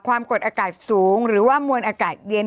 ความกดอากาศสูงหรือว่ามวลอากาศเย็น